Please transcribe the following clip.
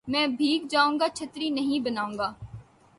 میں بھیگ جاؤں گا چھتری نہیں بناؤں گا